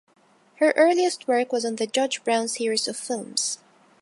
Her earliest work was on the Judge Brown series of films.